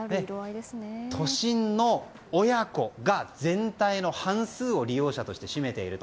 都心の親子が、全体の半数を利用者として占めていると。